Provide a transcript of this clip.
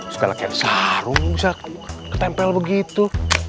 sekalian sarung bisa ketempel begitu